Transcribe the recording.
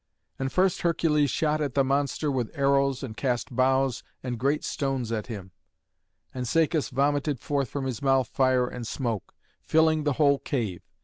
And first Hercules shot at the monster with arrows, and cast boughs and great stones at him; and Cacus vomited forth from his mouth fire and smoke, filling the whole cave.